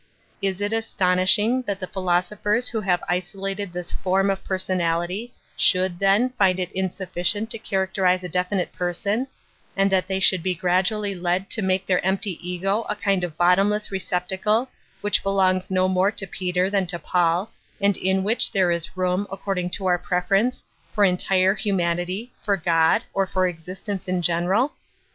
Is it astonishing that the philosophers who have isolated this " form " of personality should, then, find it insuf ficient to characterize a definite person, and that they should be gradually led to make their empty ego a kind of bottomless re ceptacle, which belongs no more to Peter than to Paul, and in which there is room, according to our preference, for entire hu manity, for God, or for existence in general?